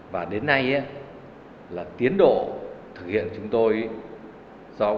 và đáp ứng ứng đối với